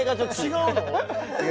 違うの？